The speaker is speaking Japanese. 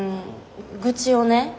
愚痴をね